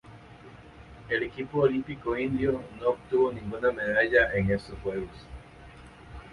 El equipo olímpico indio no obtuvo ninguna medalla en estos Juegos.